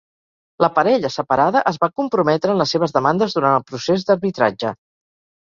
La parella separada es va comprometre en les seves demandes durant el procés d'arbitratge.